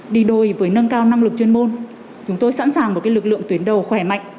đi đôi với nâng cao năng lực chuyên môn chúng tôi sẵn sàng một lực lượng tuyến đầu khỏe mạnh